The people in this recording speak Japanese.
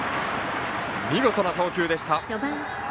見事な投球でした。